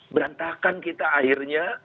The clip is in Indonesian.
berantakan kita akhirnya